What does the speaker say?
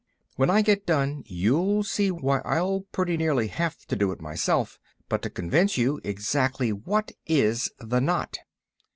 "When I get done you'll see why I'll pretty nearly have to do it myself. But to convince you, exactly what is the knot?"